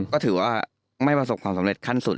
ก็ถือว่าไม่ประสบความสำเร็จขั้นสุด